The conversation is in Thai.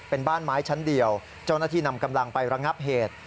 เป็นบ้านไม้ชั้นเดียวเจ้าหน้าที่นำกำลังไประงับเหตุ